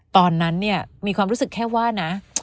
ตอนนั้นเนี่ยมีความรู้สึกแค่ว่านะ